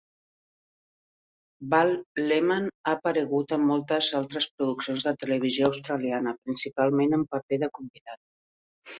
Val Lehman ha aparegut en moltes altres produccions de la televisió australiana, principalment en paper de convidat.